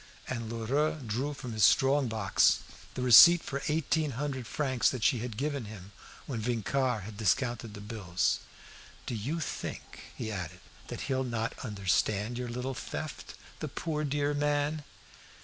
And Lheureux drew from his strong box the receipt for eighteen hundred francs that she had given him when Vincart had discounted the bills. "Do you think," he added, "that he'll not understand your little theft, the poor dear man?"